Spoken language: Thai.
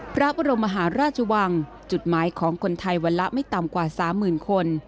พระบรมมหาราชวังจุดหมายของคนไทยวันละไม่ต่ำกว่า๓๐๐๐คน